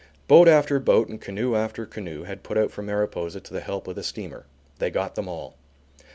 Boat after boat and canoe after canoe had put out from Mariposa to the help of the steamer. They got them all.